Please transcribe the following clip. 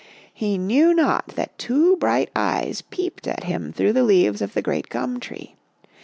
He knew not that two bright eyes peeped at him through the leaves of the great gum tree.